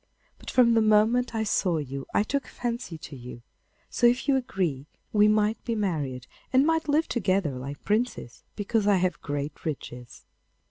But from the moment I saw you I took a fancy to you, so if you agree, we might be married and might live together like princes, because I have great riches.